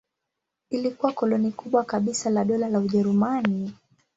Ilikuwa koloni kubwa kabisa la Dola la Ujerumani.